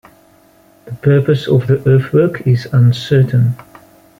The purpose of the earthwork is uncertain.